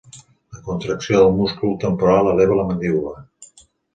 La contracció del múscul temporal eleva la mandíbula.